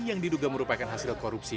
yang diduga merupakan hasil korupsi